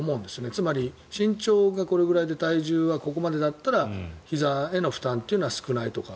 つまり身長がこれくらいで体重はここまでだったらひざへの負担が少ないとか。